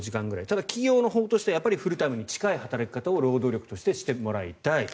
ただ、企業のほうとしてはフルタイムに近い働き方を労働力として、してもらいたい。